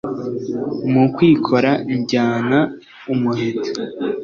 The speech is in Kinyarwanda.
Mu kwikora njyana umuheto